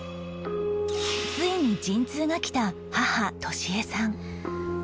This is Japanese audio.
ついに陣痛がきた母利江さん